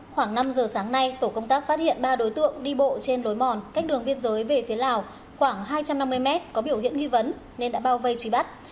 khoảng năm giờ sáng nay tổ công tác phát hiện ba đối tượng đi bộ trên lối mòn cách đường biên giới về phía lào khoảng hai trăm năm mươi mét có biểu hiện nghi vấn nên đã bao vây truy bắt